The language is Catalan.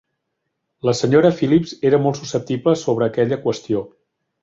La Sra. Phillips era molt susceptible sobre aquella qüestió.